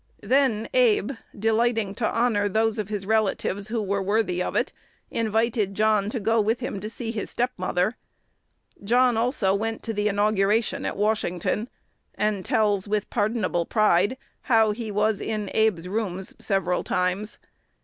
Then Abe, delighting to honor those of his relatives who were worthy of it, invited John to go with him to see his step mother. John also went to the inauguration at Washington, and tells, with pardonable pride, how he "was in his [Abe's] rooms several times."